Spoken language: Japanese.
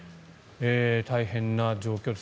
大変な状況です。